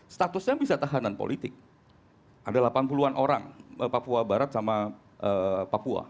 statusnya bisa tahanan politik ada delapan puluh an orang papua barat sama papua